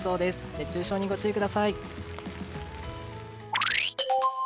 熱中症にご注意ください。